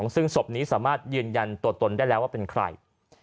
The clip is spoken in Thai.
ซึ่งศพนี้สามารถยืนยันตัวตนได้แล้วว่าเป็นใคร